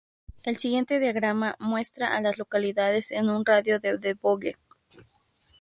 El siguiente diagrama muestra a las localidades en un radio de de Bogue.